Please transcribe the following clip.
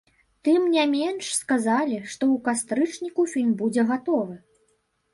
Тым не менш, сказалі, што ў кастрычніку фільм будзе гатовы.